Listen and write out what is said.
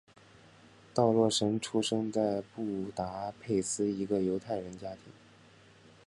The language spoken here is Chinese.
道洛什出生在布达佩斯一个犹太人家庭。